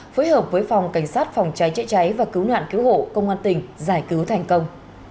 phối hợp với phòng cảnh sát phòng cháy chữa cháy và cứu nạn cứu hộ công an tỉnh giải cứu thành công